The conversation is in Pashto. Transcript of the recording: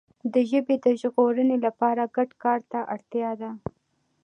د ژبي د ژغورنې لپاره ګډ کار ته اړتیا ده.